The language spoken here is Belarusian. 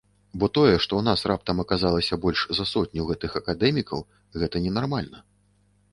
Бо тое, што ў нас раптам аказалася больш за сотню гэтых акадэмікаў, гэта ненармальна.